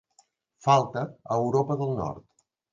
Falta a Europa del nord.